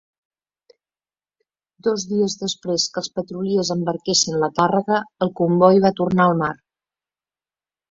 Dos dies després que els petroliers embarquessin la càrrega, el comboi va tornar al mar.